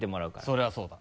それはそうだ。